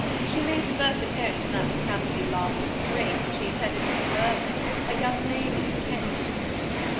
She made her first appearance in that capacity last spring, when she attended Miss Mirvan, a young lady of Kent."